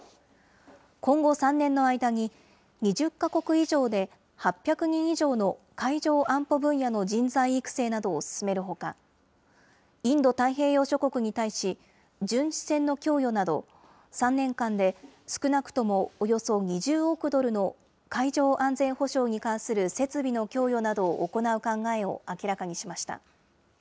今後３年の間に、２０か国以上で８００人以上の海上安保分野の人材育成などを進めるほか、インド太平洋諸国に対し、巡視船の供与など、３年間で少なくともおよそ２０億ドルの海上安全保障に関する設備の供与などを行う考えを明らかにしました。